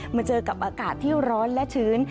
มาเจอกับอากาศที่ร้อนและชื้น